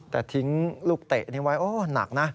แต่ทิ้งลูกเตะนี้ไว้โอ้หนักนะ